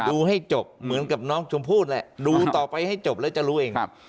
ดูให้จบเหมือนกับน้องชมพู่แหละดูต่อไปให้จบแล้วจะรู้เอง